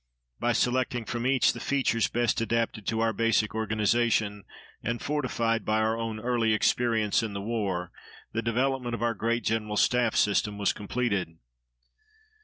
By selecting from each the features best adapted to our basic organization, and fortified by our own early experience in the war, the development of our great General Staff system was completed.